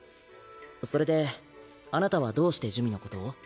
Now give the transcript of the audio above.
それであなたはどうして珠魅のことを？